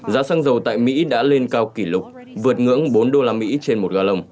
giá xăng dầu tại mỹ đã lên cao kỷ lục vượt ngưỡng bốn đô la mỹ trên một ga lồng